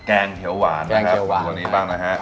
แกงเขียวหวานนะครับเขียวหวานตัวนี้บ้างนะฮะ